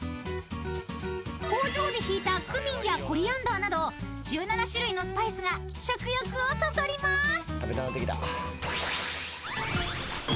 ［工場でひいたクミンやコリアンダーなど１７種類のスパイスが食欲をそそります］